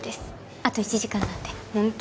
あと１時間なんでホント？